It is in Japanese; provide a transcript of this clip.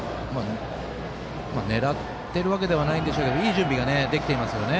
狙ってるわけではないでしょうけどいい準備ができていますよね。